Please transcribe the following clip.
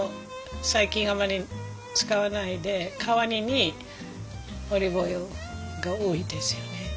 最近あまり使わないで代わりにオリーブオイルが多いですよね。